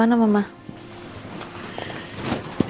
ya kondisi mama masih lemah